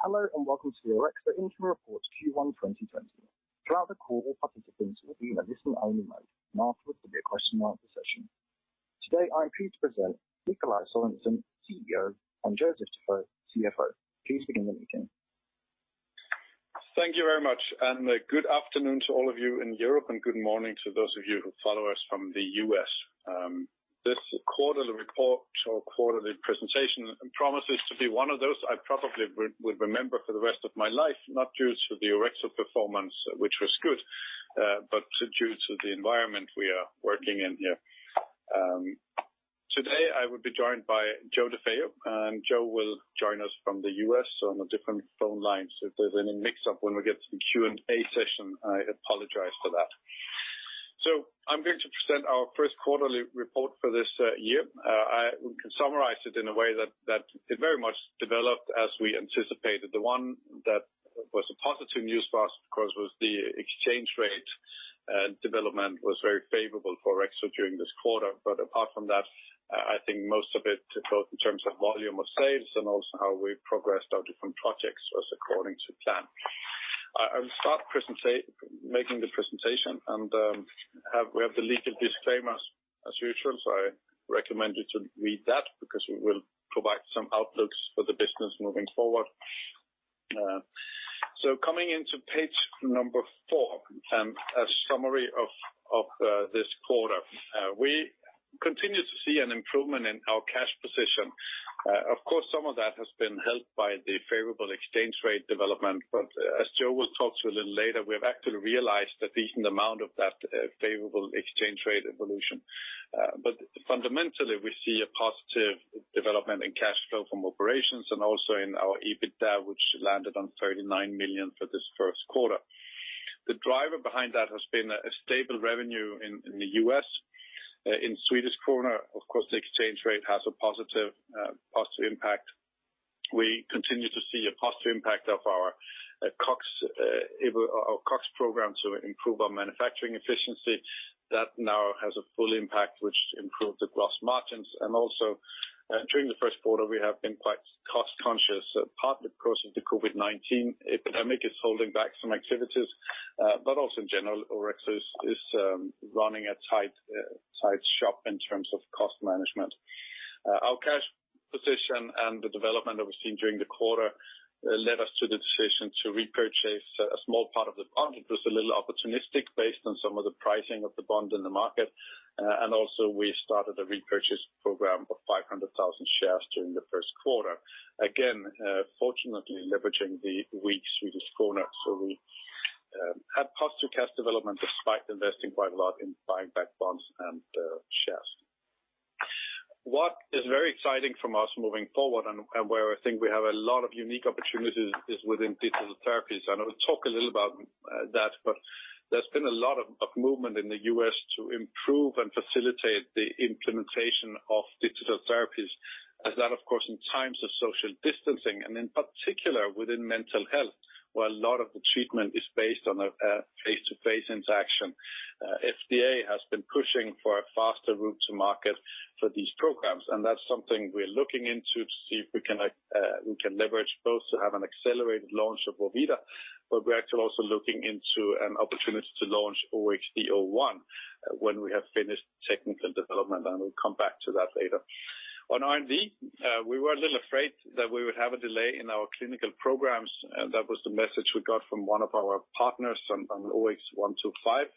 Hello and welcome to the Orexo Interim Report Q1 2020. Throughout the call, we'll cover different things that we'll do in a listen-only mode, and afterwards there'll be a question and answer session. Today, I'm pleased to present Nikolaj Sørensen, CEO, and Joseph DeFeo, CFO. Please begin the meeting. Thank you very much, and good afternoon to all of you in Europe, and good morning to those of you who follow us from the U.S. This quarterly report, or quarterly presentation, promises to be one of those I probably would remember for the rest of my life, not due to Orexo's performance, which was good, but due to the environment we are working in here. Today, I will be joined by Joseph DeFeo, and Joe will join us from the U.S. on a different phone line, if there's any mix-up when we get to the Q&A session, I apologize for that. I am going to present our first quarterly report for this year. I can summarize it in a way that it very much developed as we anticipated. The one that was positive news for us, of course, was the exchange rate, and development was very favorable for Orexo during this quarter. Apart from that, I think most of it flowed in terms of volume of sales and also how we progressed our different projects was according to plan. I will start making the presentation, and we have the legal disclaimers as usual, so I recommend you to read that because we will provide some outlooks for the business moving forward. Coming into page number four and a summary of this quarter, we continue to see an improvement in our cash position. Of course, some of that has been helped by the favorable exchange rate development, but as Joe will talk to you a little later, we have actually realized that even the amount of that favorable exchange rate evolution. Fundamentally, we see a positive development in cash flow from operations and also in our EBITDA, which landed on 39 million for this first quarter. The driver behind that has been a stable revenue in the U.S. In Swedish krona, of course, the exchange rate has a positive impact. We continue to see a positive impact of our Cox program to improve our manufacturing efficiency. That now has a full impact, which improves the gross margins. Also, during the first quarter, we have been quite cost-conscious, partly, of course, as the COVID-19 epidemic is holding back some activities, but also in general, Orexo is running a tight shop in terms of cost management. Our cash position and the development that we've seen during the quarter led us to the decision to repurchase a small part of the bond. It was a little opportunistic based on some of the pricing of the bond in the market, and also we started a repurchase program of 500,000 shares during the first quarter. Again, fortunately, leveraging the weak Swedish krona, so we had positive cash development despite investing quite a lot in buying back bonds and shares. What is very exciting for us moving forward and where I think we have a lot of unique opportunities is within digital therapies. I will talk a little about that, but there's been a lot of movement in the U.S. to improve and facilitate the implementation of digital therapies, as that, of course, in times of social distancing and in particular within mental health, where a lot of the treatment is based on a face-to-face interaction. FDA has been pushing for a faster route to market for these programs, and that's something we're looking into to see if we can leverage both to have an accelerated launch of, but we're actually also looking into an opportunity to launch OXD-01 when we have finished technical development, and we'll come back to that later. On R&D, we were a little afraid that we would have a delay in our clinical programs. That was the message we got from one of our partners on OX125.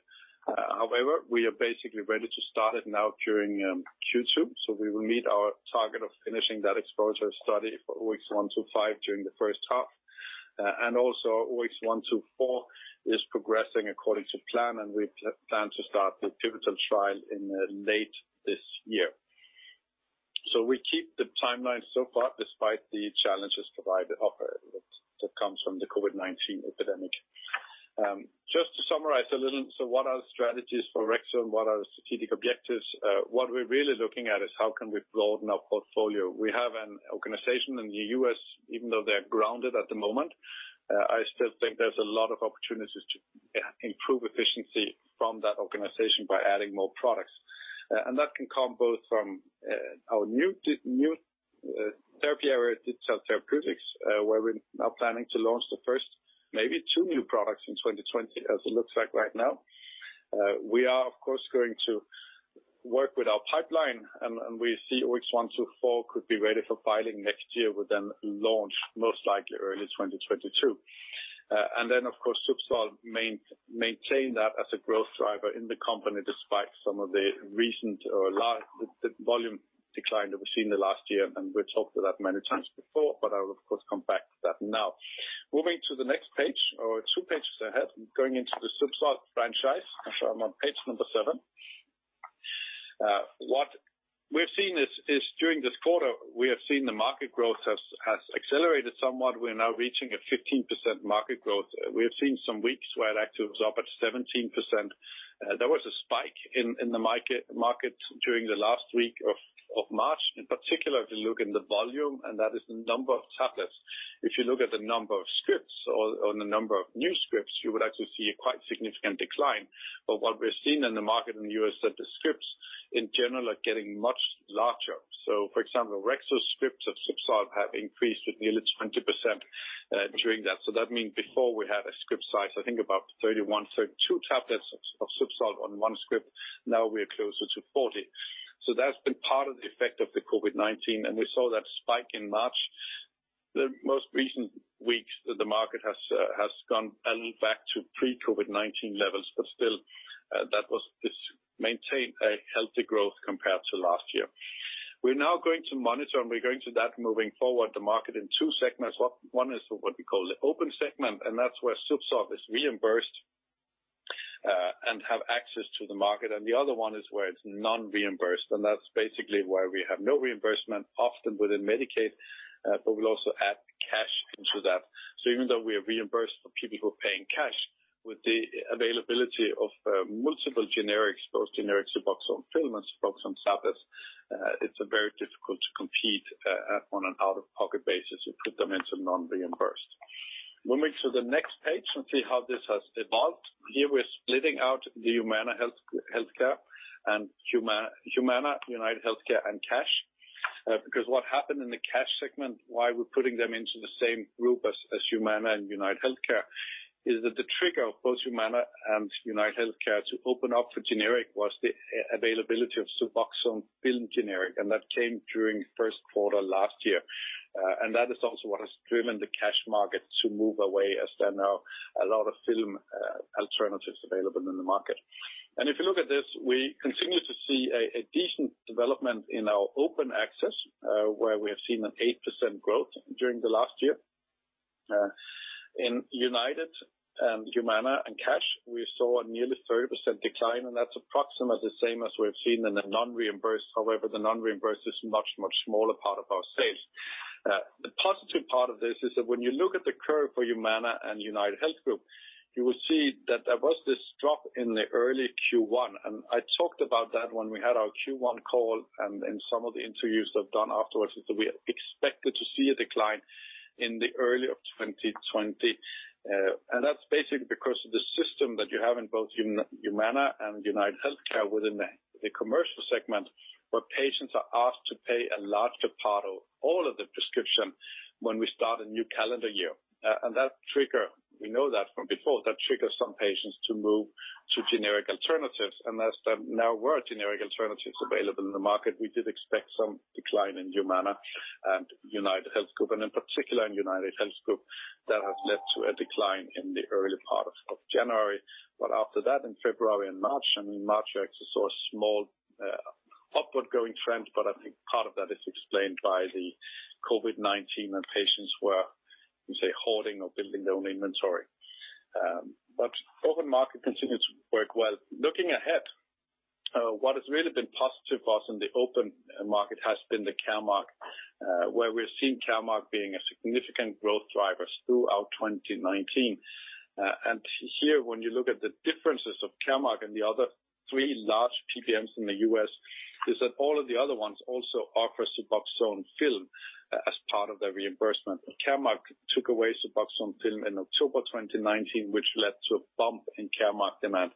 However, we are basically ready to start it now during Q2, so we will meet our target of finishing that exposure study for OX125 during the first half. Also, OX124 is progressing according to plan, and we plan to start the pivotal trial in late this year. We keep the timeline so far despite the challenges provided that come from the COVID-19 epidemic. Just to summarize a little, what are the strategies for Orexo and what are the strategic objectives? What we're really looking at is how can we broaden our portfolio. We have an organization in the US, even though they're grounded at the moment, I still think there's a lot of opportunities to improve efficiency from that organization by adding more products. That can come both from our new therapy area, digital therapeutics, where we are planning to launch the first, maybe two new products in 2020, as it looks like right now. We are, of course, going to work with our pipeline, and we see OX124 could be ready for filing next year, with then launch most likely early 2022. Of course, Zubsolv maintained that as a growth driver in the company despite some of the recent volume decline that we've seen the last year, and we've talked to that many times before, but I will, of course, come back to that now. Moving to the next page or two pages ahead, going into the Zubsolv franchise, I'm on page number seven. What we've seen is during this quarter, we have seen the market growth has accelerated somewhat. We're now reaching a 15% market growth. We have seen some weeks where it actually was up at 17%. There was a spike in the market during the last week of March, in particular if you look in the volume, and that is the number of tablets. If you look at the number of scripts or the number of new scripts, you would actually see a quite significant decline. What we've seen in the market in the U.S. is that the scripts in general are getting much larger. For example, Orexo scripts of Zubsolv have increased with nearly 20% during that. That means before we had a script size, I think about 31, 32 tablets of Zubsolv on one script. Now we are closer to 40. That has been part of the effect of the COVID-19, and we saw that spike in March. The most recent weeks, the market has gone a little back to pre-COVID-19 levels, but still, that has maintained a healthy growth compared to last year. We are now going to monitor, and we are going to that moving forward, the market in two segments. One is what we call the open segment, and that is where Zubsolv is reimbursed and has access to the market. The other one is where it's non-reimbursed, and that's basically where we have no reimbursement, often within Medicaid, but we'll also add cash into that. Even though we are reimbursed for people who are paying cash, with the availability of multiple generics, both generic Suboxone pills and Suboxone tablets, it's very difficult to compete on an out-of-pocket basis if the domains are non-reimbursed. Moving to the next page, let's see how this has evolved. Here we're splitting out the Humana, Healthcare, and Humana, United Healthcare, and Cash, because what happened in the cash segment, why we're putting them into the same group as Humana and United Healthcare, is that the trigger of both Humana and United Healthcare to open up for generic was the availability of Suboxone film generic, and that came during the first quarter last year. That is also what has driven the cash market to move away, as there are now a lot of film alternatives available in the market. If you look at this, we continue to see a decent development in our open access, where we have seen an 8% growth during the last year. In United and Humana and Cash, we saw a nearly 30% decline, and that's approximately the same as we've seen in the non-reimbursed. However, the non-reimbursed is a much, much smaller part of our sales. The positive part of this is that when you look at the curve for Humana and UnitedHealth Group, you will see that there was this drop in the early Q1, and I talked about that when we had our Q1 call, and in some of the interviews I've done afterwards, we expected to see a decline in the early part of 2020. That is basically because of the system that you have in both Humana and UnitedHealth Group within the commercial segment, where patients are asked to pay a larger part of all of the prescription when we start a new calendar year. That trigger, we know that from before, that triggers some patients to move to generic alternatives. As there now were generic alternatives available in the market, we did expect some decline in Humana and UnitedHealth Group, and in particular in UnitedHealth Group, that has led to a decline in the early part of January. After that, in February and March, and in March, Orexo saw a small upward going trend, but I think part of that is explained by the COVID-19 when patients were, you say, hoarding or building their own inventory. The open market continues to work well. Looking ahead, what has really been positive for us in the open market has been the Caremark, where we've seen Caremark being a significant growth driver throughout 2019. Here, when you look at the differences of Caremark and the other three large PBMs in the U.S., all of the other ones also offer Suboxone film as part of their reimbursement. Caremark took away Suboxone film in October 2019, which led to a bump in Caremark demand.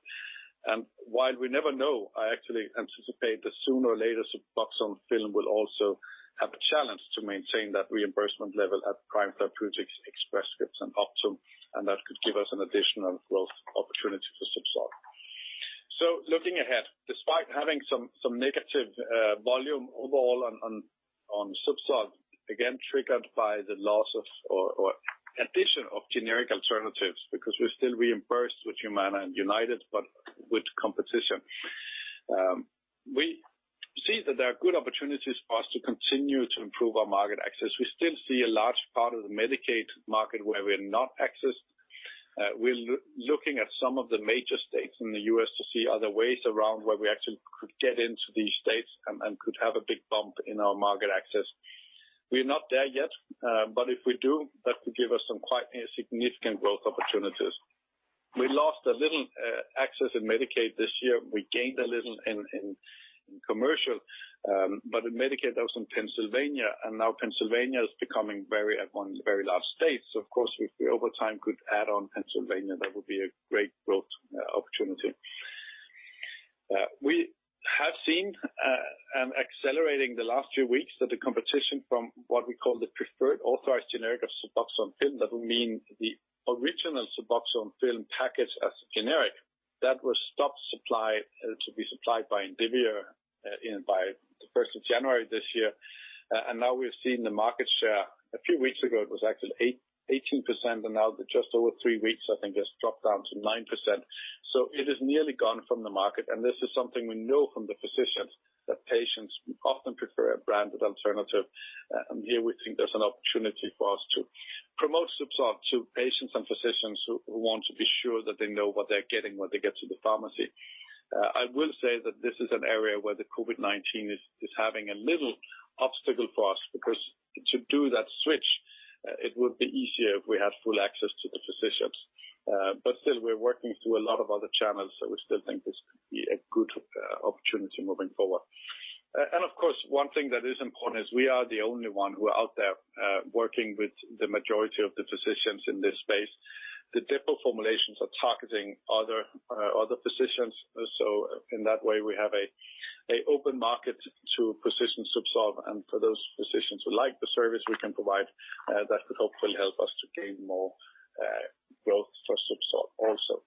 While we never know, I actually anticipate that sooner or later Suboxone film will also have a challenge to maintain that reimbursement level at Prime Therapeutics, Express Scripts, and Optum, and that could give us an additional growth opportunity for Zubsolv. Looking ahead, despite having some negative volume overall on Zubsolv, again, triggered by the loss of or addition of generic alternatives, because we're still reimbursed with Humana and United, but with competition. We see that there are good opportunities for us to continue to improve our market access. We still see a large part of the Medicaid market where we're not accessed. We're looking at some of the major states in the U.S. to see other ways around where we actually could get into these states and could have a big bump in our market access. We're not there yet, but if we do, that could give us some quite significant growth opportunities. We lost a little access in Medicaid this year. We gained a little in commercial, but in Medicaid, that was in Pennsylvania, and now Pennsylvania is becoming very at one very large state. Of course, if we over time could add on Pennsylvania, that would be a great growth opportunity. We have seen an acceleration in the last few weeks that the competition from what we call the preferred authorized generic of Suboxone film, that will mean the original Suboxone film package as generic, that was stopped to be supplied by Indivior by the 1st of January this year. We have seen the market share. A few weeks ago, it was actually 18%, and now just over three weeks, I think it's dropped down to 9%. It has nearly gone from the market, and this is something we know from the physicians, that patients often prefer a branded alternative. Here we think there's an opportunity for us to promote Zubsolv to patients and physicians who want to be sure that they know what they're getting when they get to the pharmacy. I will say that this is an area where the COVID-19 is having a little obstacle for us, because to do that switch, it would be easier if we had full access to the physicians. We are working through a lot of other channels, so we still think this could be a good opportunity moving forward. Of course, one thing that is important is we are the only one who are out there working with the majority of the physicians in this space. The Depo formulations are targeting other physicians, so in that way, we have an open market to physicians Zubsolv, and for those physicians who like the service we can provide, that could hopefully help us to gain more growth for Zubsolv also.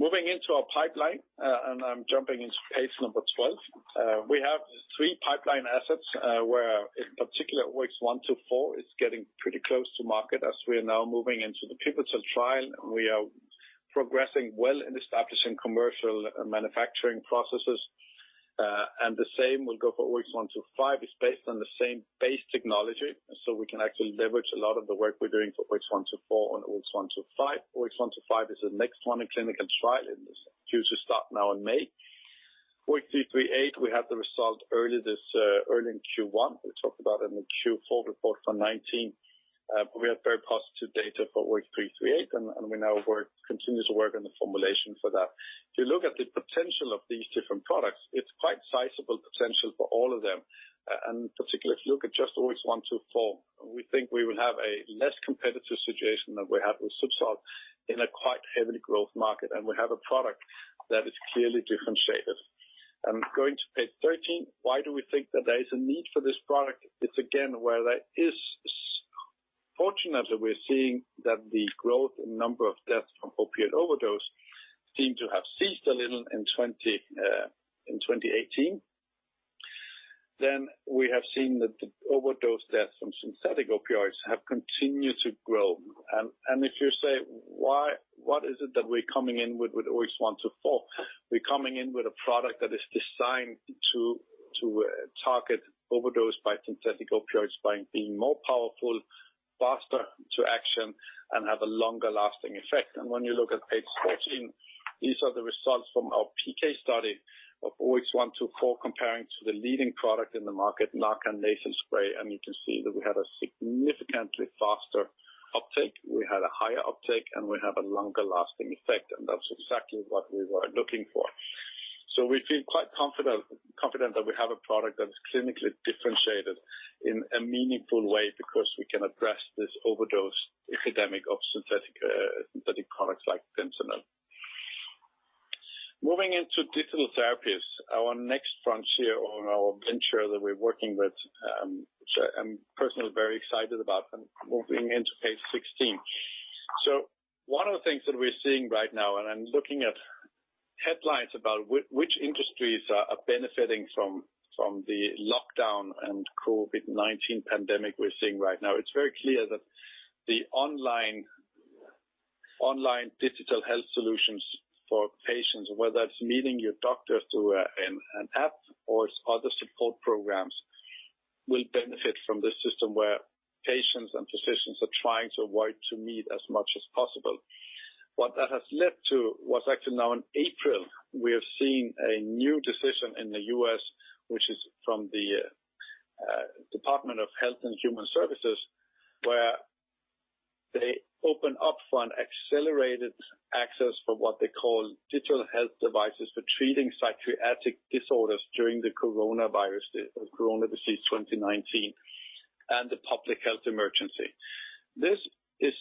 Moving into our pipeline, and I'm jumping into page number 12, we have three pipeline assets where in particular OX124 is getting pretty close to market as we are now moving into the pivotal trial. We are progressing well in establishing commercial manufacturing processes, and the same will go for OX125. It's based on the same base technology, so we can actually leverage a lot of the work we're doing for OX124 on OX125. OX125 is the next one in clinical trial and is due to start now in May. OX338, we had the result early in Q1. We talked about it in the Q4 report for 2019. We had very positive data for OX338, and we now continue to work on the formulation for that. If you look at the potential of these different products, it's quite sizable potential for all of them. Particularly if you look at just OX124, we think we will have a less competitive situation than we had with Zubsolv in a quite heavily growth market, and we have a product that is clearly differentiated. Going to page 13, why do we think that there is a need for this product? It is again where there is, fortunately, we are seeing that the growth in number of deaths from opioid overdose seem to have ceased a little in 2018. We have seen that the overdose deaths from synthetic opioids have continued to grow. If you say, what is it that we are coming in with with OX124? We are coming in with a product that is designed to target overdose by synthetic opioids by being more powerful, faster to action, and have a longer lasting effect. When you look at page 14, these are the results from our PK study of OX124 comparing to the leading product in the market, Narcan Nasal Spray. You can see that we had a significantly faster uptake. We had a higher uptake, and we have a longer lasting effect, and that's exactly what we were looking for. We feel quite confident that we have a product that is clinically differentiated in a meaningful way because we can address this overdose epidemic of synthetic products like fentanyl. Moving into digital therapies, our next frontier or our venture that we're working with, which I'm personally very excited about, and moving into page 16. One of the things that we're seeing right now, and I'm looking at headlines about which industries are benefiting from the lockdown and COVID-19 pandemic we're seeing right now, it's very clear that the online digital health solutions for patients, whether it's meeting your doctor through an app or other support programs, will benefit from this system where patients and physicians are trying to avoid to meet as much as possible. What that has led to was actually now in April, we have seen a new decision in the U.S., which is from the Department of Health and Human Services, where they open up for an accelerated access for what they call digital health devices for treating psychiatric disorders during the coronavirus, the coronavirus disease 2019, and the public health emergency. This is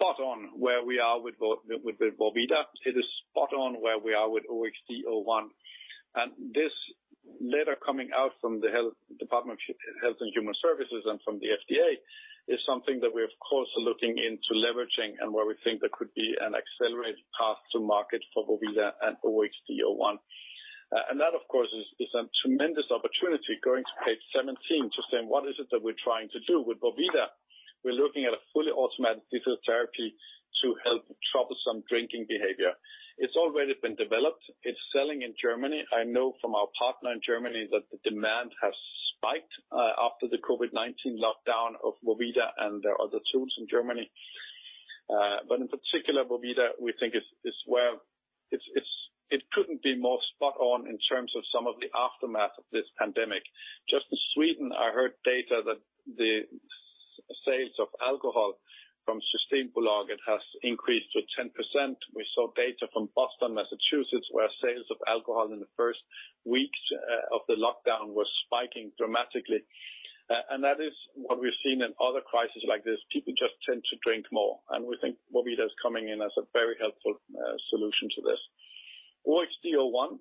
spot on where we are with Vorvida. It is spot on where we are with OXD-01. This letter coming out from the Department of Health and Human Services and from the FDA is something that we, of course, are looking into leveraging and where we think there could be an accelerated path to market for Vorvida and OXD-01. That, of course, is a tremendous opportunity. Going to page 17 to say, what is it that we're trying to do with Vorvida? We're looking at a fully automated digital therapy to help troublesome drinking behavior. It's already been developed. It's selling in Germany. I know from our partner in Germany that the demand has spiked after the COVID-19 lockdown of Vorvida and their other tools in Germany. In particular, Vorvida, we think, is where it couldn't be more spot on in terms of some of the aftermath of this pandemic. Just in Sweden, I heard data that the sales of alcohol from Systembolaget has increased to 10%. We saw data from Boston, Massachusetts, where sales of alcohol in the first weeks of the lockdown were spiking dramatically. That is what we've seen in other crises like this. People just tend to drink more, and we think Vorvida is coming in as a very helpful solution to this. OXD-01,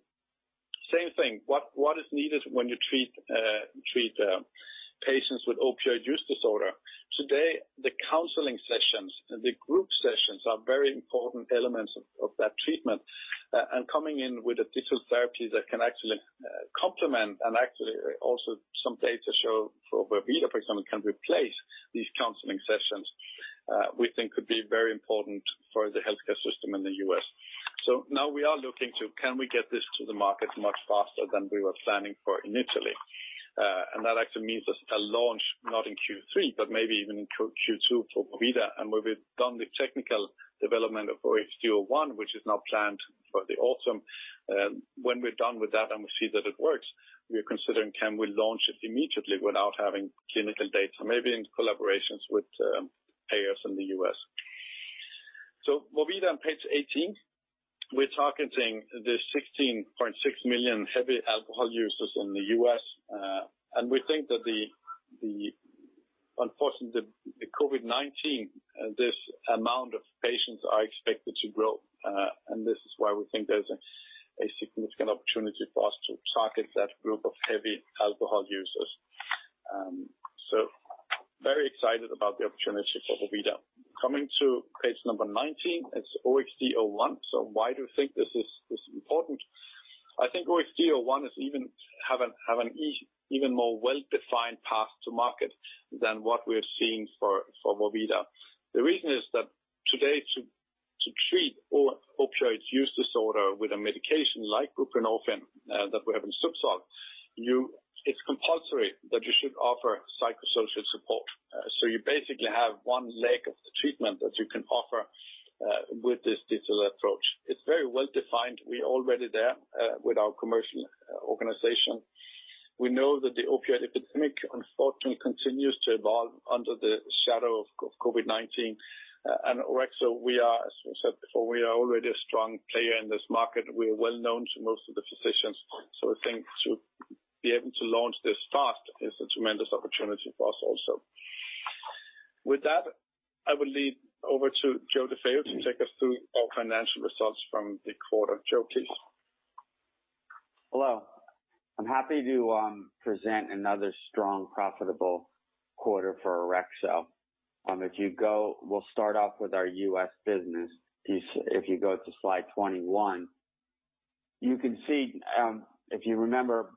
same thing. What is needed when you treat patients with opioid use disorder? Today, the counseling sessions and the group sessions are very important elements of that treatment. Coming in with a digital therapy that can actually complement and actually also some data show for Vorvida, for example, can replace these counseling sessions, we think could be very important for the healthcare system in the U.S. Now we are looking to, can we get this to the market much faster than we were planning for initially? That actually means a launch, not in Q3, but maybe even in Q2 for Vorvida. When we've done the technical development of OXD-01, which is now planned for the autumn, when we're done with that and we see that it works, we're considering, can we launch it immediately without having clinical data, maybe in collaborations with payers in the U.S.? Vorvida on page 18, we're targeting the 16.6 million heavy alcohol users in the U.S. We think that the COVID-19, this amount of patients are expected to grow. This is why we think there's a significant opportunity for us to target that group of heavy alcohol users. Very excited about the opportunity for Vorvida. Coming to page number 19, it's OXD-01. Why do you think this is important? I think OXD-01 has even had an even more well-defined path to market than what we're seeing for Vorvida. The reason is that today, to treat opioid use disorder with a medication like buprenorphine that we have in Zubsolv, it's compulsory that you should offer psychosocial support. You basically have one leg of the treatment that you can offer with this digital approach. It's very well-defined. We are already there with our commercial organization. We know that the opioid epidemic, unfortunately, continues to evolve under the shadow of COVID-19. Orexo, we are already a strong player in this market. We are well known to most of the physicians. I think to be able to launch this fast is a tremendous opportunity for us also. With that, I will leave over to Joseph DeFeo to take us through our financial results from the quarter. Joe, please. Hello. I'm happy to present another strong, profitable quarter for Orexo. If you go, we'll start off with our U.S. business. If you go to slide 21, you can see, if you remember,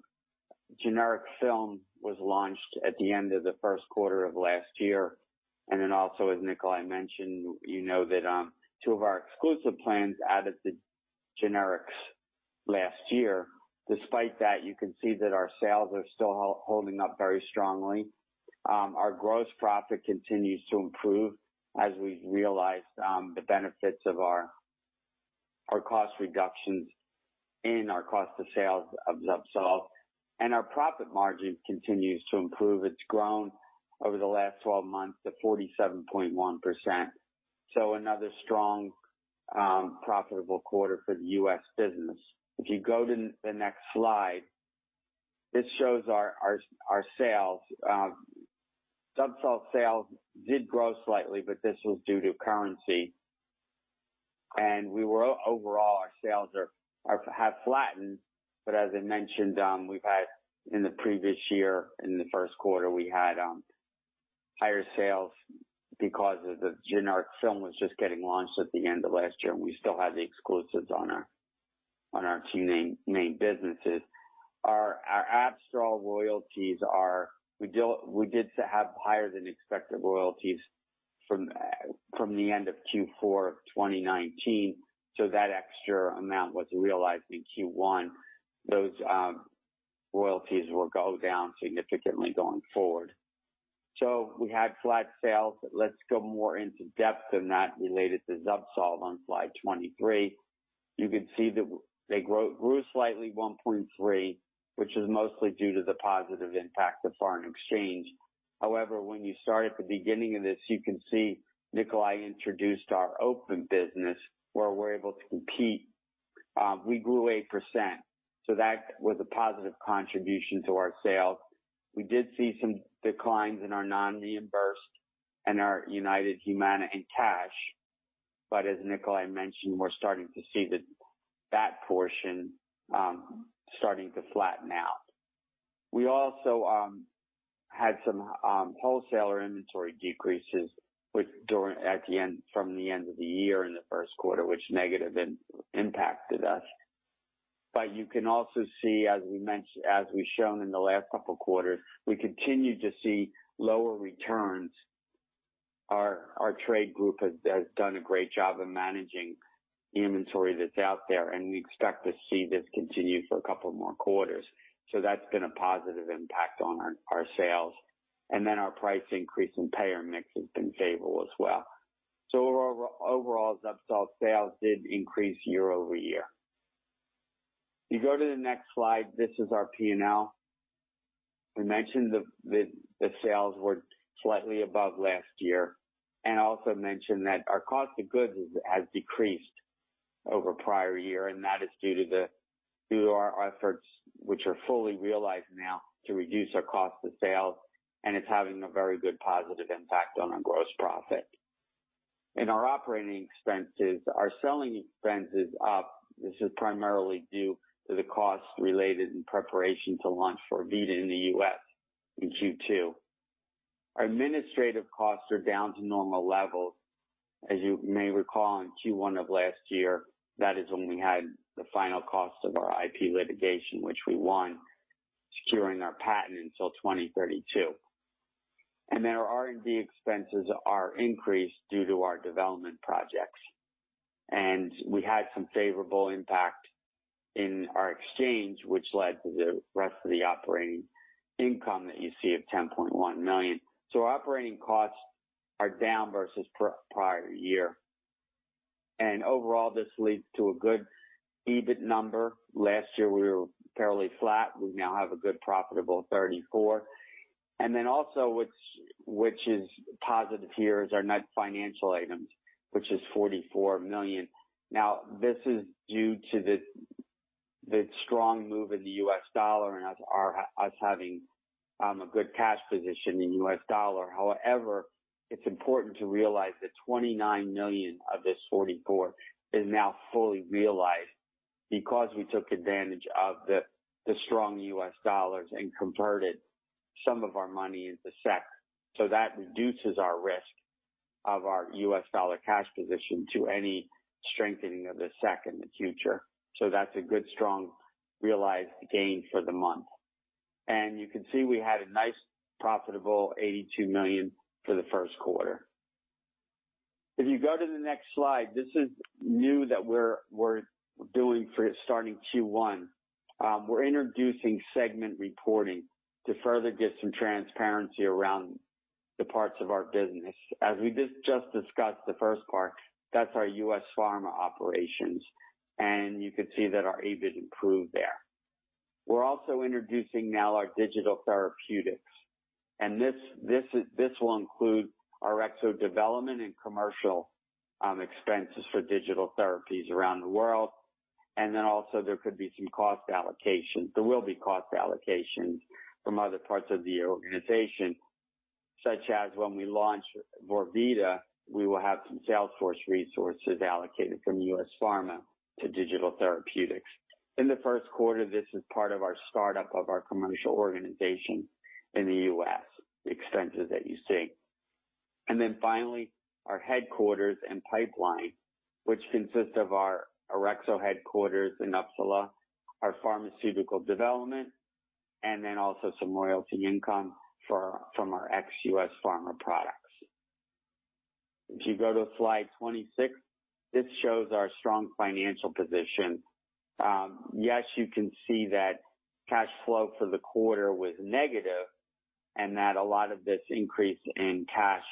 generic film was launched at the end of the first quarter of last year. Also, as Nikolaj mentioned, you know that two of our exclusive plans added to generics last year. Despite that, you can see that our sales are still holding up very strongly. Our gross profit continues to improve as we realized the benefits of our cost reductions in our cost of sales of Zubsolv. Our profit margin continues to improve. It's grown over the last 12 months to 47.1%. Another strong, profitable quarter for the U.S. business. If you go to the next slide, this shows our sales. Zubsolv sales did grow slightly, but this was due to currency. We were overall, our sales have flattened. As I mentioned, in the previous year, in the first quarter, we had higher sales because the generic film was just getting launched at the end of last year, and we still had the exclusives on our two main businesses. Our app store royalties, we did have higher than expected royalties from the end of Q4 of 2019. That extra amount was realized in Q1. Those royalties will go down significantly going forward. We had flat sales. Let's go more into depth than that related to Zubsolv on slide 23. You can see that they grew slightly, 1.3, which is mostly due to the positive impact of foreign exchange. However, when you start at the beginning of this, you can see Nikolaj introduced our open business where we're able to compete. We grew 8%. That was a positive contribution to our sales. We did see some declines in our non-reimbursed and our UnitedHealth Group Humana in cash. As Nikolaj mentioned, we're starting to see that portion starting to flatten out. We also had some wholesaler inventory decreases from the end of the year in the first quarter, which negatively impacted us. You can also see, as we've shown in the last couple of quarters, we continue to see lower returns. Our trade group has done a great job of managing the inventory that's out there, and we expect to see this continue for a couple more quarters. That has been a positive impact on our sales. Our price increase in payer mix has been favorable as well. Overall, Zubsolv sales did increase year over year. If you go to the next slide, this is our P&L. We mentioned the sales were slightly above last year. I also mentioned that our cost of goods has decreased over the prior year, and that is due to our efforts, which are fully realized now, to reduce our cost of sales. It is having a very good positive impact on our gross profit. Our operating expenses, our selling expenses are up. This is primarily due to the costs related in preparation to launch for Vorvida in the U.S. in Q2. Our administrative costs are down to normal levels. As you may recall, in Q1 of last year, that is when we had the final cost of our IP litigation, which we won securing our patent until 2032. Our R&D expenses are increased due to our development projects. We had some favorable impact in our exchange, which led to the rest of the operating income that you see of 10.1 million. Our operating costs are down versus prior year. Overall, this leads to a good EBIT number. Last year, we were fairly flat. We now have a good profitable 34 million. Also, what is positive here is our net financial items, which is 44 million. This is due to the strong move in the U.S. dollar and us having a good cash position in U.S. dollar. However, it's important to realize that 29 million of this 44 million is now fully realized because we took advantage of the strong U.S. dollar and converted some of our money into SEK. That reduces our risk of our U.S. dollar cash position to any strengthening of the SEK in the future. That is a good, strong, realized gain for the month. You can see we had a nice profitable 82 million for the first quarter. If you go to the next slide, this is new that we're doing for starting Q1. We're introducing segment reporting to further get some transparency around the parts of our business. As we just discussed the first part, that is our U.S. pharma operations. You can see that our EBIT improved there. We're also introducing now our digital therapeutics. This will include Orexo development and commercial expenses for digital therapies around the world. There could be some cost allocation. There will be cost allocation from other parts of the organization, such as when we launch Vorvida, we will have some Salesforce resources allocated from U.S. pharma to digital therapeutics. In the first quarter, this is part of our startup of our commercial organization in the U.S., the expenses that you see. Finally, our headquarters and pipeline, which consists of our Orexo headquarters in Uppsala, our pharmaceutical development, and also some royalty income from our ex-US pharma products. If you go to slide 26, this shows our strong financial position. Yes, you can see that cash flow for the quarter was negative and that a lot of this increase in cash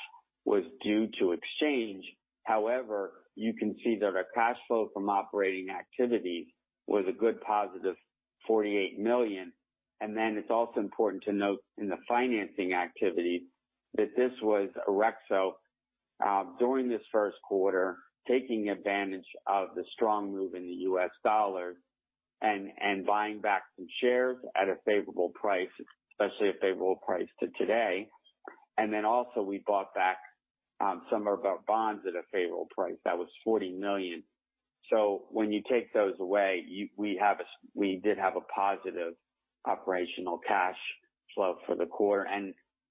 was due to exchange. However, you can see that our cash flow from operating activity was a good positive 48 million. It is also important to note in the financing activity that this was Orexo during this first quarter, taking advantage of the strong move in the U.S. dollar and buying back some shares at a favorable price, especially a favorable price to today. We also bought back some of our bonds at a favorable price. That was 40 million. When you take those away, we did have a positive operational cash flow for the quarter.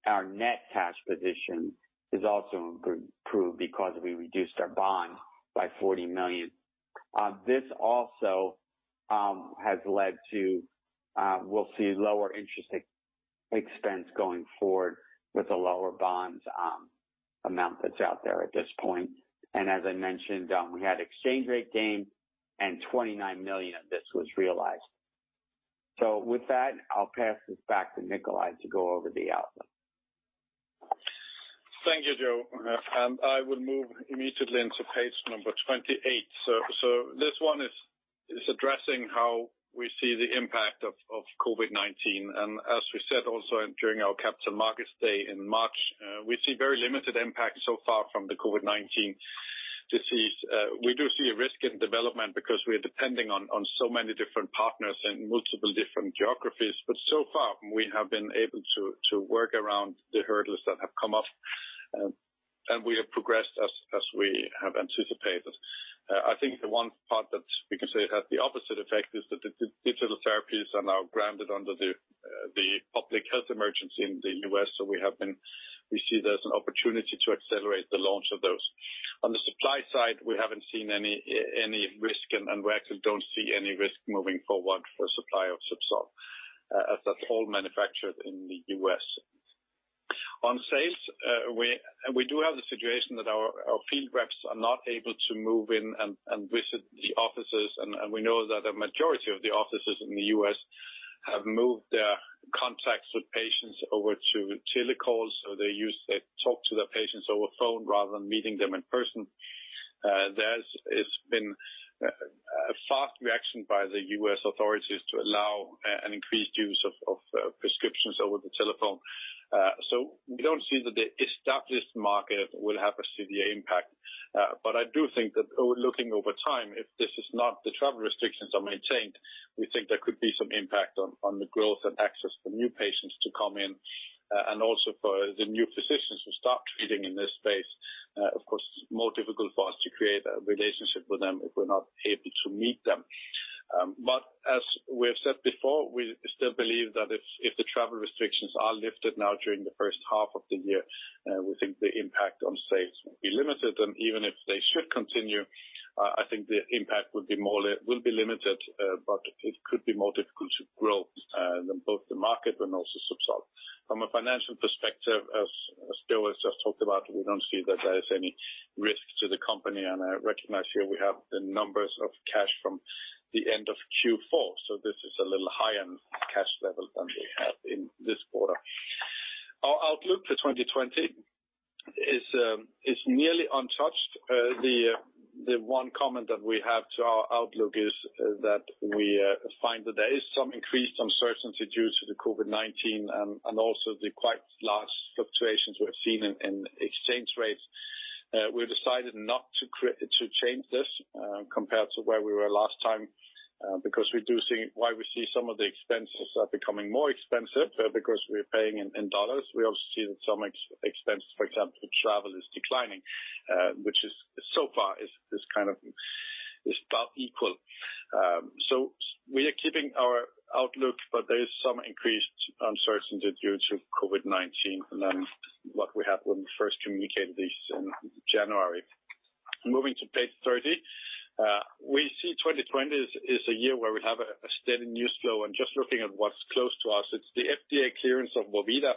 Our net cash position is also improved because we reduced our bond by 40 million. This also has led to, we will see lower interest expense going forward with the lower bond amount that is out there at this point. As I mentioned, we had exchange rate gain and 29 million of this was realized. With that, I'll pass this back to Nikolaj to go over the outlook. Thank you, Joe. I will move immediately into page number 28. This one is addressing how we see the impact of COVID-19. As we said also during our Capital Markets Day in March, we see very limited impact so far from the COVID-19 disease. We do see a risk in development because we are depending on so many different partners and multiple different geographies. So far, we have been able to work around the hurdles that have come up. We have progressed as we have anticipated. I think the one part that we can say has the opposite effect is that the digital therapies are now grounded under the public health emergency in the U.S. We see there's an opportunity to accelerate the launch of those. On the supply side, we haven't seen any risk, and we actually don't see any risk moving forward for supply of Zubsolv as a whole manufacturer in the U.S. On sales, we do have the situation that our field reps are not able to move in and visit the offices. We know that a majority of the offices in the U.S. have moved their contacts with patients over to telecalls. They talk to their patients over the phone rather than meeting them in person. There's been a fast reaction by the U.S. authorities to allow an increased use of prescriptions over the telephone. We don't see that this market will have a severe impact. I do think that looking over time, if this is not, the travel restrictions are maintained, we think there could be some impact on the growth and access for new patients to come in. Also for the new physicians who start feeding in this space, of course, it's more difficult for us to create a relationship with them if we're not able to meet them. As we've said before, we still believe that if the travel restrictions are lifted now during the first half of the year, we think the impact on sales will be limited. Even if they should continue, I think the impact will be limited, but it could be more difficult to grow both the market and also Zubsolv. From a financial perspective, as Joe has just talked about, we don't see that there is any risk to the company. I recognize here we have the numbers of cash from the end of Q4. This is a little higher cash level than we have in this quarter. Our outlook for 2020 is nearly untouched. The one comment that we have to our outlook is that we find that there is some increased uncertainty due to the COVID-19 and also the quite large fluctuations we have seen in exchange rates. We have decided not to change this compared to where we were last time because we do see while we see some of the expenses that are becoming more expensive because we are paying in dollars, we also see that some expenses, for example, travel, are declining, which so far is kind of about equal. We are keeping our outlook, but there is some increased uncertainty due to COVID-19 than what we had when we first communicated this in January. Moving to page 30, we see 2020 is a year where we have a steady news flow. Just looking at what's close to us, it's the FDA clearance of Vorvida.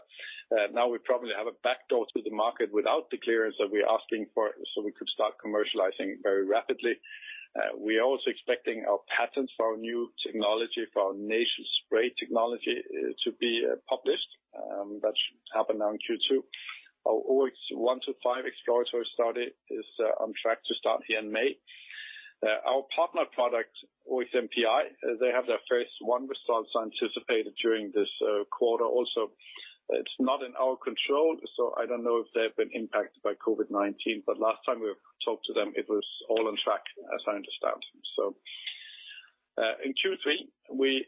Now we probably have a backdoor to the market without the clearance that we're asking for, so we could start commercializing very rapidly. We are also expecting our patents for our new technology, for our nasal spray technology, to be published. That's happened now in Q2. Our OX125 exploratory study is on track to start here in May. Our partner product, Ozempic, they have their first one response anticipated during this quarter. Also, it's not in our control. I don't know if they've been impacted by COVID-19, but last time we talked to them, it was all on track, as I understand. In Q3, we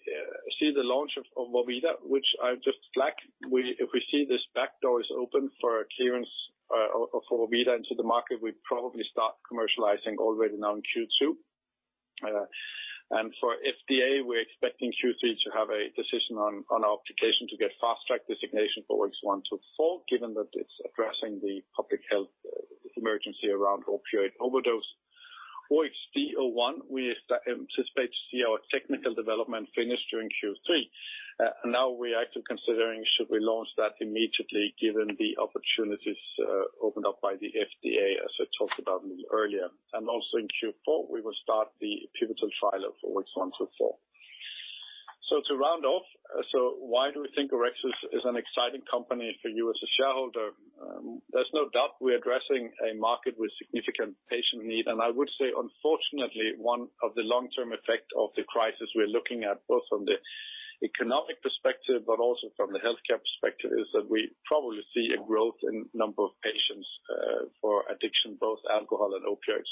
see the launch of Vorvida, which I've just flagged. If we see this backdoor is open for clearance for Vorvida into the market, we probably start commercializing already now in Q2. For FDA, we're expecting Q3 to have a decision on our application to get fast track designation for OX124, given that it's addressing the public health emergency around opioid overdose. OXD-01, we anticipate to see our technical development finished during Q3. Now we're actually considering should we launch that immediately given the opportunities opened up by the FDA, as I talked about earlier. Also in Q4, we will start the pivotal trial of OX124. To round off, why do we think Orexo is an exciting company for you as a shareholder? There's no doubt we're addressing a market with significant patient need. I would say, unfortunately, one of the long-term effects of the crisis we're looking at, both from the economic perspective but also from the healthcare perspective, is that we probably see a growth in the number of patients for addiction, both alcohol and opioids.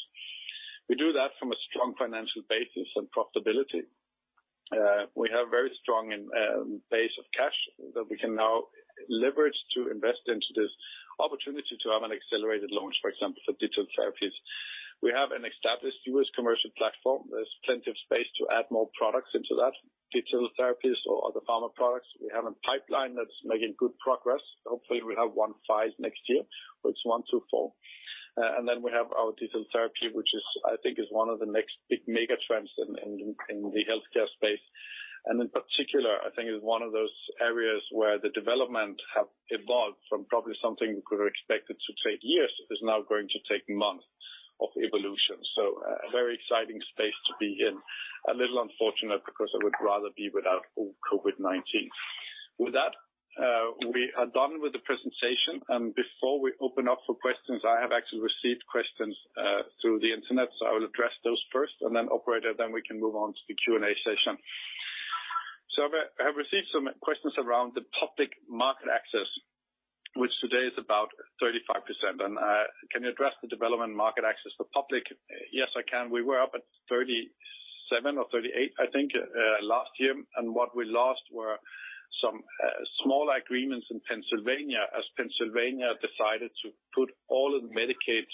We do that from a strong financial basis and profitability. We have a very strong base of cash that we can now leverage to invest into this opportunity to have an accelerated launch, for example, for digital therapies. We have an established U.S. commercial platform. There's plenty of space to add more products into that, digital therapies or other pharma products. We have a pipeline that's making good progress. Hopefully, we'll have one phase next year, OX124. Then we have our digital therapy, which I think is one of the next big mega trends in the healthcare space. In particular, I think it's one of those areas where the development has evolved from probably something we could have expected to take years is now going to take months of evolution. A very exciting space to be in. A little unfortunate because I would rather be without COVID-19. With that, we are done with the presentation. Before we open up for questions, I have actually received questions through the internet. I will address those first and then operate, and then we can move on to the Q&A session. I have received some questions around the public market access, which today is about 35%. Can you address the development market access for public? Yes, I can. We were up at 37 or 38, I think, last year. What we lost were some smaller agreements in Pennsylvania as Pennsylvania decided to put all of the Medicaid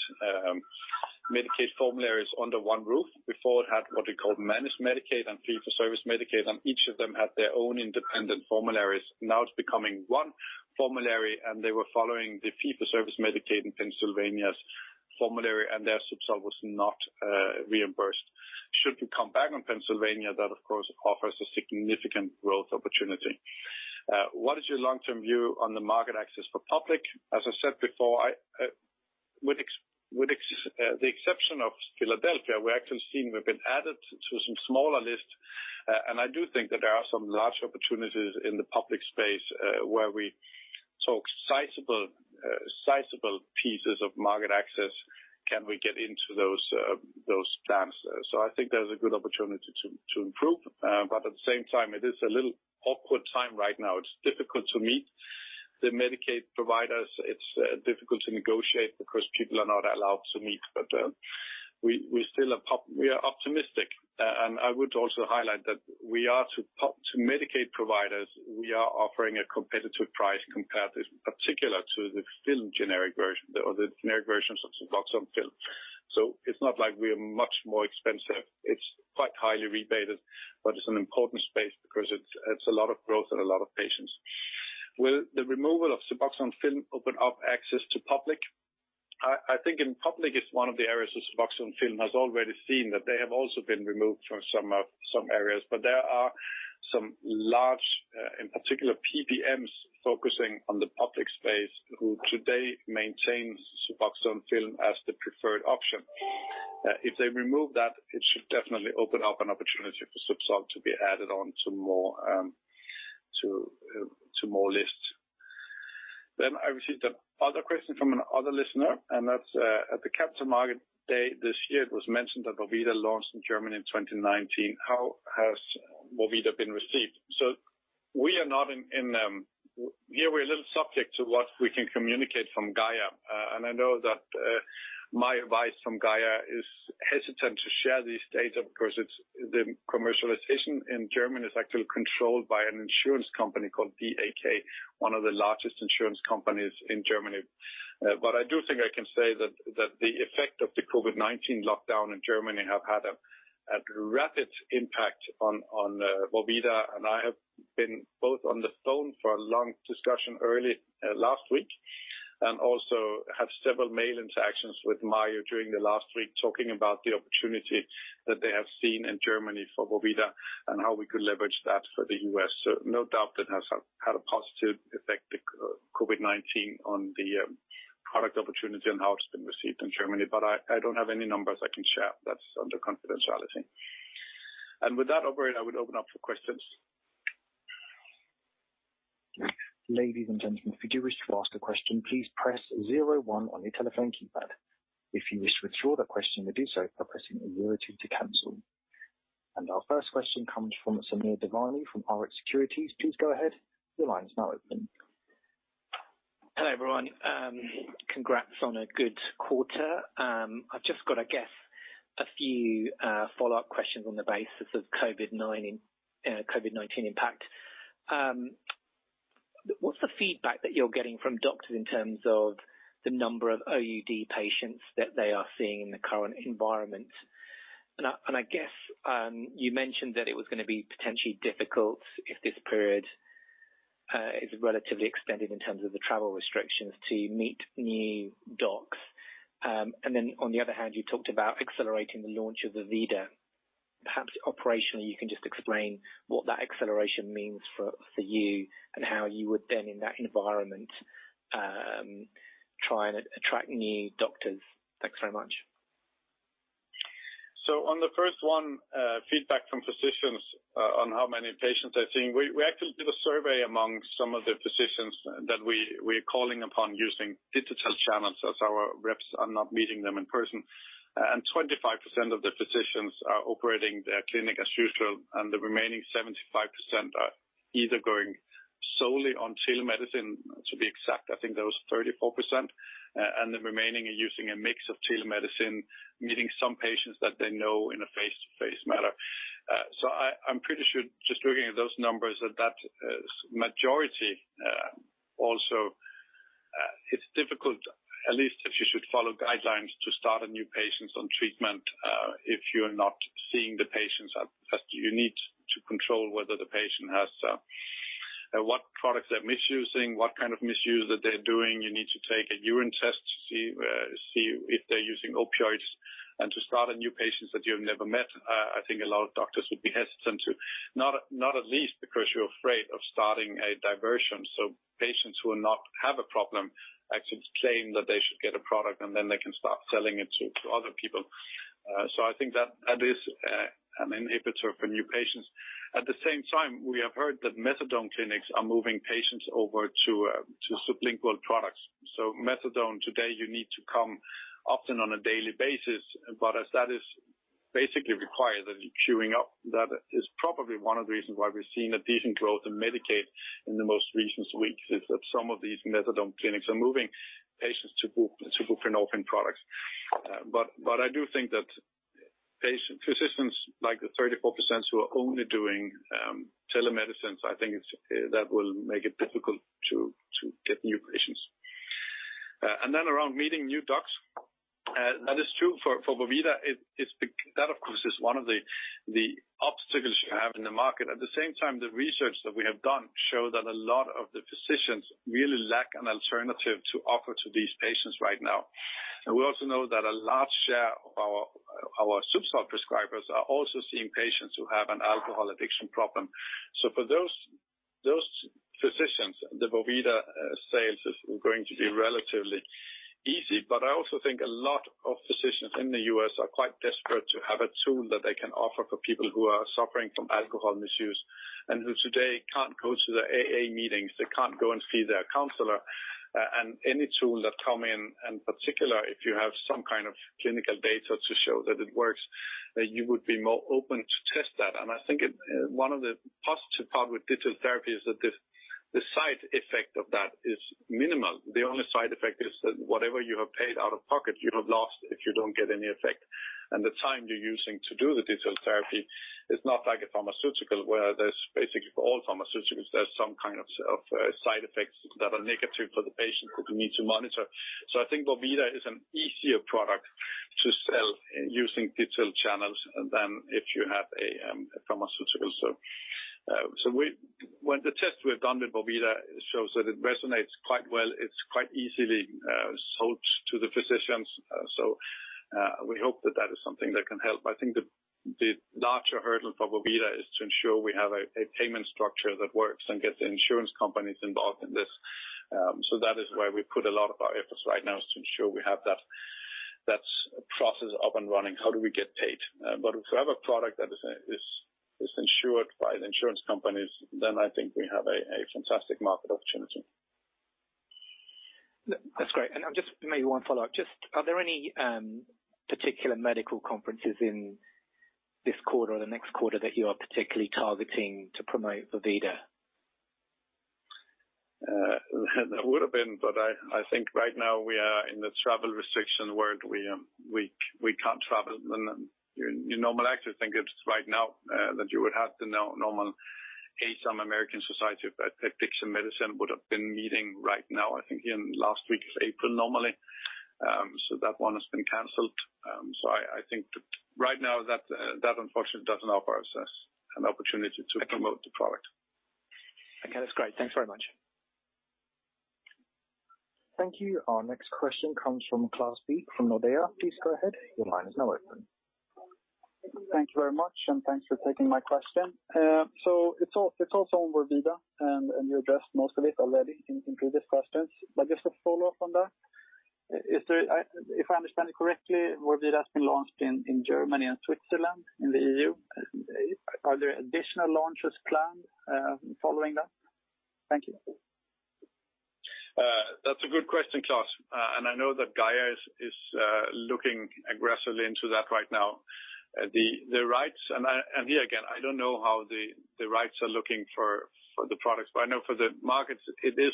formularies under one roof. Before, it had what we called Managed Medicaid and Fee-for-Service Medicaid, and each of them had their own independent formularies. Now it is becoming one formulary, and they were following the Fee-for-Service Medicaid in Pennsylvania's formulary, and their Zubsolv was not reimbursed. Should we come back on Pennsylvania, that, of course, offers a significant growth opportunity. What is your long-term view on the market access for public? As I said before, with the exception of Philadelphia, we are actually seeing we have been added to some smaller lists. I do think that there are some large opportunities in the public space where we sizeable pieces of market access can we get into those plans. I think there's a good opportunity to improve. At the same time, it is a little awkward time right now. It's difficult to meet the Medicaid providers. It's difficult to negotiate because people are not allowed to meet. We still are optimistic. I would also highlight that to Medicaid providers, we are offering a competitive price, particularly compared to the generic versions of Suboxone film. It's not like we are much more expensive. It's quite highly rebated, but it's an important space because it's a lot of growth and a lot of patients. Will the removal of Suboxone film open up access to public? I think in public, it's one of the areas where Suboxone film has already seen that they have also been removed from some areas. There are some large, in particular, PBMs focusing on the public space who today maintain Suboxone film as the preferred option. If they remove that, it should definitely open up an opportunity for Zubsolv to be added on to more lists. I received another question from another listener. At the Capital Markets Day this year, it was mentioned that Vorvida launched in Germany in 2019. How has Vorvida been received? We are not in here, we're a little subject to what we can communicate from GAIA. I know that my advice from GAIA is hesitant to share these dates because the commercialization in Germany is actually controlled by an insurance company called BAK, one of the largest insurance companies in Germany. I do think I can say that the effect of the COVID-19 lockdown in Germany has had a rapid impact on Vorvida. I have been both on the phone for a long discussion early last week and also had several mail interactions with Mario during the last week talking about the opportunity that they have seen in Germany for Vorvida and how we could leverage that for the U.S. No doubt that has had a positive effect, COVID-19, on the product opportunity and how it's been received in Germany. I don't have any numbers I can share. That's under confidentiality. With that, operator, I would open up for questions. Ladies and gentlemen, if you do wish to ask a question, please press zero one on your telephone keypad. If you wish to withdraw the question, you do so by pressing zero two to cancel. Our first question comes from Samir Devani from RX Securities. Please go ahead. Your line is now open. Hello everyone. Congrats on a good quarter. I've just got to guess a few follow-up questions on the basis of COVID-19 impact. What's the feedback that you're getting from doctors in terms of the number of OUD patients that they are seeing in the current environment? I guess you mentioned that it was going to be potentially difficult if this period is relatively extended in terms of the travel restrictions to meet new docs. On the other hand, you talked about accelerating the launch of the Vorvida. Perhaps operationally, you can just explain what that acceleration means for you and how you would then in that environment try and attract new doctors. Thanks very much. On the first one, feedback from physicians on how many patients they're seeing. We actually did a survey among some of the physicians that we're calling upon using digital channels as our reps are not meeting them in person. Twenty-five percent of the physicians are operating their clinic as usual. The remaining 75% are either going solely on telemedicine, to be exact. I think that was 34%. The remaining are using a mix of telemedicine, meeting some patients that they know in a face-to-face manner. I'm pretty sure just looking at those numbers that that majority also, it's difficult, at least if you should follow guidelines, to start a new patient on treatment if you are not seeing the patients as you need to control whether the patient has what products they're misusing, what kind of misuse that they're doing. You need to take a urine test to see if they're using opioids. To start a new patient that you have never met, I think a lot of doctors would be hesitant to, not at least because you're afraid of starting a diversion. Patients who have a problem actually saying that they should get a product and then they can start selling it to other people. I think that is an inhibitor for new patients. At the same time, we have heard that Methadone clinics are moving patients over to sublingual products. Methadone today, you need to come often on a daily basis. As that is basically required, that is chewing up, that is probably one of the reasons why we're seeing a decent growth in Medicaid in the most recent weeks, is that some of these Methadone clinics are moving patients to buprenorphine products. I do think that physicians like the 34% who are only doing telemedicine, I think that will make it difficult to get new patients. Around meeting new docs, that is true for Vorvida. That, of course, is one of the obstacles you have in the market. At the same time, the research that we have done showed that a lot of the physicians really lack an alternative to offer to these patients right now. We also know that a large share of our Zubsolv prescribers are also seeing patients who have an alcohol addiction problem. For those physicians, the Vorvida sales is going to be relatively easy. I also think a lot of physicians in the U.S. are quite desperate to have a tool that they can offer for people who are suffering from alcohol misuse and who today can't go to the AA meetings. They can't go and see their counselor. Any tool that comes in, in particular, if you have some kind of clinical data to show that it works, you would be more open to test that. I think one of the positive parts with digital therapy is that the side effect of that is minimal. The only side effect is that whatever you have paid out of pocket, you have lost if you don't get any effect. The time you're using to do the digital therapy is not like a pharmaceutical where there's basically for all pharmaceuticals, there's some kind of side effects that are negative for the patient that we need to monitor. I think Vorvida is an easier product to sell using digital channels than if you have a pharmaceutical. When the test we've done with Vorvida shows that it resonates quite well, it's quite easily sold to the physicians. We hope that that is something that can help. I think the larger hurdle for Vorvida is to ensure we have a payment structure that works and gets the insurance companies involved in this. That is why we put a lot of our efforts right now to ensure we have that process up and running. How do we get paid? If we have a product that is insured by the insurance companies, then I think we have a fantastic market opportunity. That's great. I'll just make one follow-up. Are there any particular medical conferences in this quarter or the next quarter that you are particularly targeting to promote Vorvida? There would have been, but I think right now we are in the travel restriction where we can't travel. You normally actually think it's right now that you would have the normal ASAM American Society of Addiction Medicine would have been meeting right now, I think, in last week's April normally. That one has been canceled. I think that right now, that unfortunately doesn't offer us an opportunity to promote the product. Okay, that's great. Thanks very much. Thank you. Our next question comes from Klaus B from Nordea. Please go ahead. Your line is now open. Thank you very much, and thanks for taking my question. It is all from Vorvida, and you addressed most of it already in previous questions. Just to follow up on that, if I understand it correctly, Vorvida has been launched in Germany and Switzerland in the EU. Are there additional launches planned following that? Thank you. That is a good question, Klaus. I know that GAIA is looking aggressively into that right now. The rights, and here again, I do not know how the rights are looking for the products, but I know for the markets it is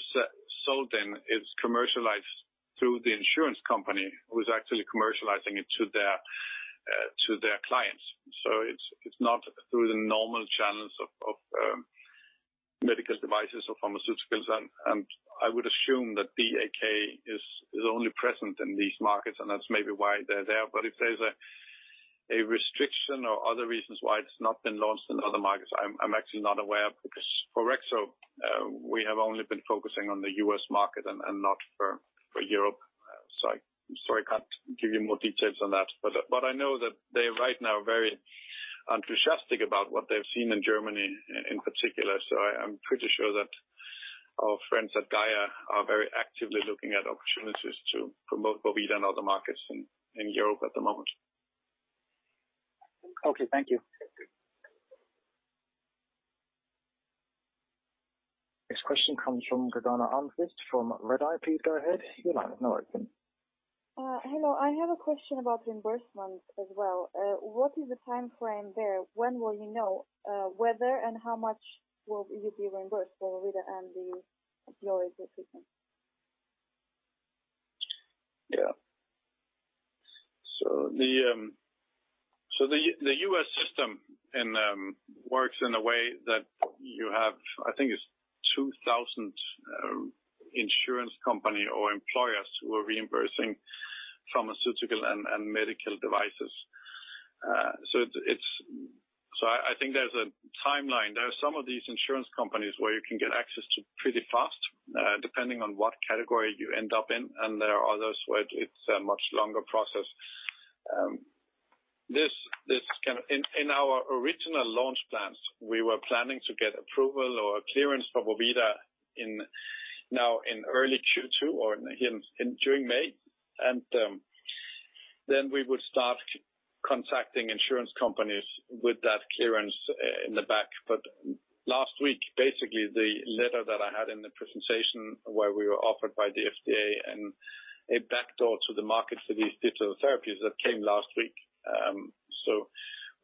sold in, it is commercialized through the insurance company who is actually commercializing it to their clients. It is not through the normal channels of medical devices or pharmaceuticals. I would assume that BAK is only present in these markets, and that is maybe why they are there. If there's a restriction or other reasons why it's not been launched in other markets, I'm actually not aware of this for Orexo. We have only been focusing on the U.S. market and not for Europe. I'm sorry, I can't give you more details on that. I know that they right now are very enthusiastic about what they've seen in Germany in particular. I'm pretty sure that our friends at GAIA are very actively looking at opportunities to promote Vorvida in other markets in Europe at the moment. Okay, thank you. This question comes from Gergana Almquist from Redeye, please go ahead. You might have no reason. Hello, I have a question about reimbursement as well. What is the timeframe there? When will you know whether and how much will you be reimbursed for Vorvida and the user who enjoys the treatment? Yeah. The U.S. system works in a way that you have, I think it's 2,000 insurance companies or employers who are reimbursing pharmaceutical and medical devices. I think there's a timeline. There are some of these insurance companies where you can get access to pretty fast depending on what category you end up in. There are others where it's a much longer process. In our original launch plans, we were planning to get approval or clearance for Vorvida now in early Q2 or during May. We would start contacting insurance companies with that clearance in the back. Last week, basically, the letter that I had in the presentation where we were offered by the FDA and a backdoor to the market for these digital therapies, that came last week.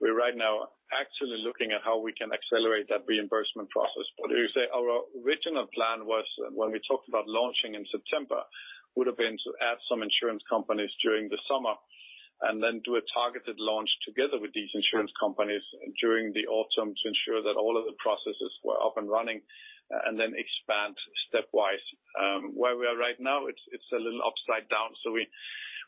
We are right now actually looking at how we can accelerate that reimbursement process. As I say, our original plan was when we talked about launching in September, it would have been to add some insurance companies during the summer and then do a targeted launch together with these insurance companies during the autumn to ensure that all of the processes were up and running and then expand stepwise. Where we are right now, it's a little upside down.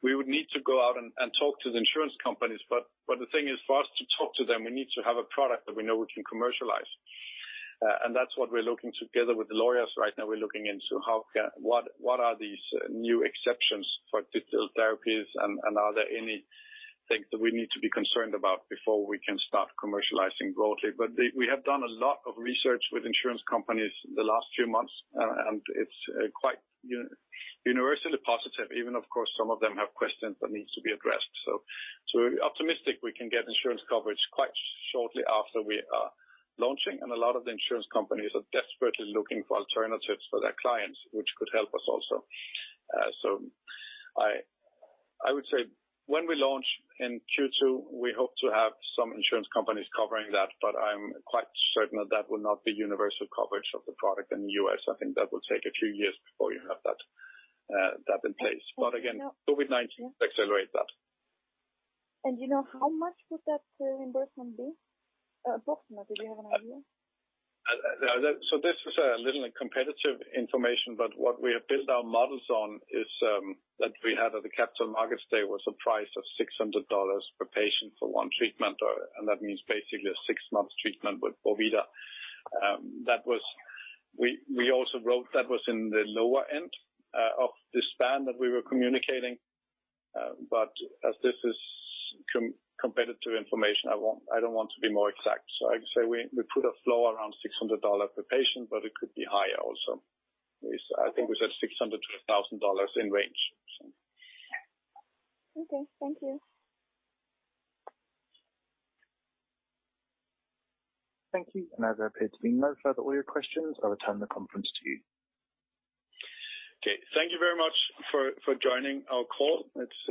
We would need to go out and talk to the insurance companies. The thing is, for us to talk to them, we need to have a product that we know we can commercialize. That's what we're looking together with the lawyers right now. We're looking into what are these new exceptions for digital therapies and are there any things that we need to be concerned about before we can start commercializing broadly. We have done a lot of research with insurance companies the last few months, and it's quite universally positive. Of course, some of them have questions that need to be addressed. We're optimistic we can get insurance coverage quite shortly after we are launching. A lot of the insurance companies are desperately looking for alternatives for their clients, which could help us also. I would say when we launch in Q2, we hope to have some insurance companies covering that. I'm quite certain that that will not be universal coverage of the product in the U.S. I think that will take a few years before you have that in place. COVID-19 accelerates that. Do you know how much would that reimbursement be approximately? Do you have an idea? This is a little competitive information, but what we have built our models on is that we had at the Capital Markets Day was a price of $600 per patient for one treatment. That means basically a six-month treatment with Vorvida. We also wrote that was in the lower end of the span that we were communicating. As this is competitive information, I do not want to be more exact. I would say we put a floor around $600 per patient, but it could be higher also. I think we said $600-$1,000 in range. Okay, thank you. Thank you. As I have been notified of all your questions, I will return the conference to you. Okay, thank you very much for joining our call. It is,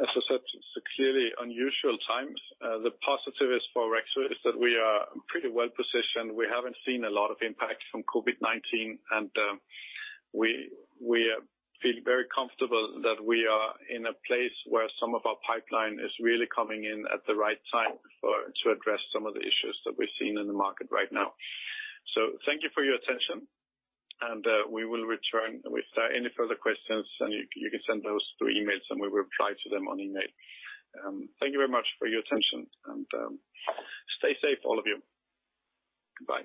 as I said, a clearly unusual time. The positive is for Orexo is that we are pretty well positioned. We have not seen a lot of impact from COVID-19, and we feel very comfortable that we are in a place where some of our pipeline is really coming in at the right time to address some of the issues that we have seen in the market right now. Thank you for your attention, and we will return with any further questions. You can send those through emails, and we will reply to them on email. Thank you very much for your attention, and stay safe, all of you. Bye.